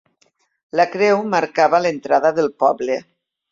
La creu marcava l'entrada del poble.